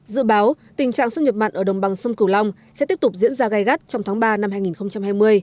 dự báo tình trạng xâm nhập mặn ở đồng bằng sông cửu long sẽ tiếp tục diễn ra gai gắt trong tháng ba năm hai nghìn hai mươi